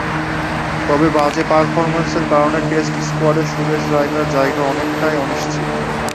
তবে বাজে পারফরম্যান্সের কারণে টেস্ট স্কোয়াডে সুরেশ রায়নার জায়গা অনেকটাই অনিশ্চিত।